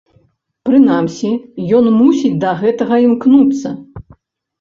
Прынамсі ён мусіць да гэтага імкнуцца.